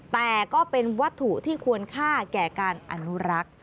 แต่ก็เป็นวัตถุที่ควรค่าแก่การอนุรักษ์